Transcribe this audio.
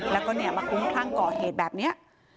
แล้วก็มาคุ้มคลั่งก่อเหตุแบบนี้